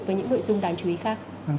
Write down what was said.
với những nội dung đáng chú ý khác